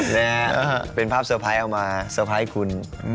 นะฮะเป็นภาพเซอร์ไพรส์เอามาเตอร์ไพรส์คุณ